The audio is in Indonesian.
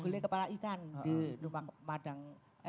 beli kepala ikan di rumah madang